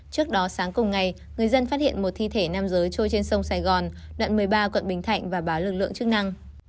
trước đó sáng cùng ngày người dân phát hiện một thi thể nam giới trôi trên sông sài gòn đoạn một mươi ba quận bình thạnh và báo lực lượng chức năng